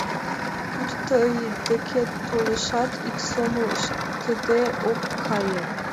Тудо тый декет толешат, ик сомыл ыштыде ок кае...